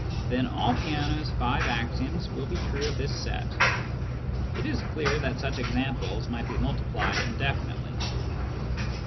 Then all Peano's five axioms will be true of this set. It is clear that such examples might be multiplied indefinitely.